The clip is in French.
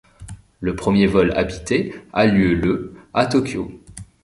Le premier vol habité a lieu le à Tokyo.